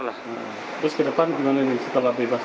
terus ke depan gimana ini setelah bebas